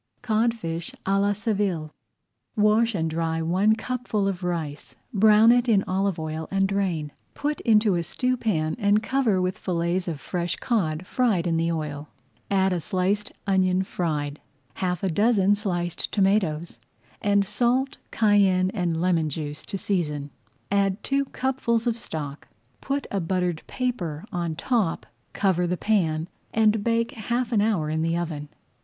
CODFISH À LA SEVILLE Wash and dry one cupful of rice, brown it in olive oil, and drain. Put into a stewpan and cover with fillets of fresh cod, fried in the oil. Add a sliced onion fried, half a dozen sliced tomatoes, and salt, cayenne, and lemon juice to season. Add two cupfuls of stock, put a buttered paper on top, cover the pan, and bake half an hour in the oven.